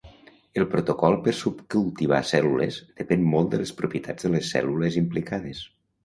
El protocol per subcultivar cèl·lules depèn molt de les propietats de les cèl·lules implicades.